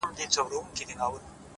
کلونه پس چي درته راغلمه، ته هغه وې خو؛،